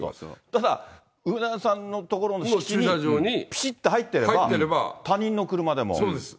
ただ、梅沢さんの所の敷地にぴしっと入ってれば、そうです。